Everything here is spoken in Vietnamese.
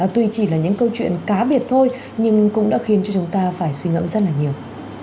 tuy chỉ là những câu chuyện cá biệt thôi nhưng cũng đã khiến cho chúng ta phải suy ngẫm rất là nhiều